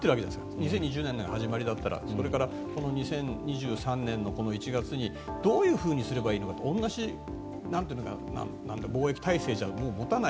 ２０２０年が始まりだったらそれからこの２０２３年の１月にどういうふうにすればいいのか同じ防疫体制じゃ持たない。